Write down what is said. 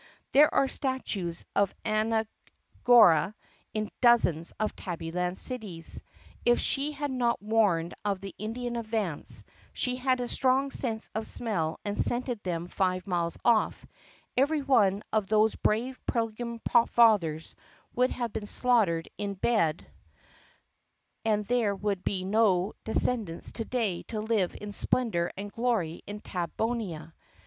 There are statues of Anne Gora in dozens of Tabbyland cities. If she had not warned of the Indian advance (she had a strong sense of smell and scented them five miles off) every one of those brave Pilgrim Fathers would have been slaughtered in bed and there would be no descendants to day to live in splendor and glory in Tabbonia.